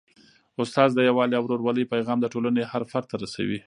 استاد د یووالي او ورورولۍ پیغام د ټولني هر فرد ته رسوي.